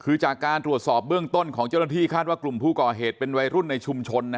คือจากการตรวจสอบเบื้องต้นของเจ้าหน้าที่คาดว่ากลุ่มผู้ก่อเหตุเป็นวัยรุ่นในชุมชน